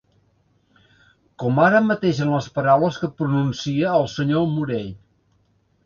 Com ara mateix amb les paraules que pronuncia el senyor Morell.